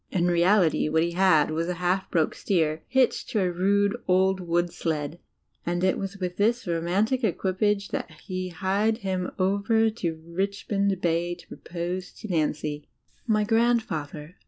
In reality, what he had was a half broken steer, hitched to a rude, old wood sled, and it was with this romantic equipage that he hied him over to Richmond Bay to propose xo Nancy! My grandfather.